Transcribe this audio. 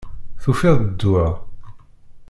Tufiḍ-d ddwa?